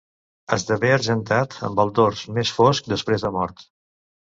Esdevé argentat amb el dors més fosc després de mort.